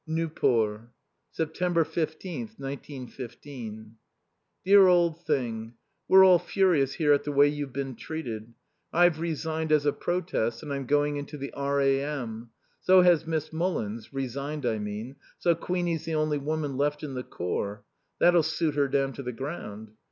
Nieuport. September 15th, 1915. Dear Old Thing, We're all furious here at the way you've been treated. I've resigned as a protest, and I'm going into the R. A. M. So has Miss Mullins : resigned I mean so Queenie's the only woman left in the Corps. That'll suit her down to the ground.